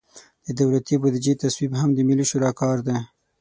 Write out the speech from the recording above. د دولتي بودیجې تصویب هم د ملي شورا کار دی.